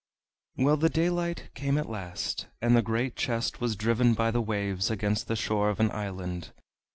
Well, the daylight came at last, and the great chest was driven by the waves against the shore of an island.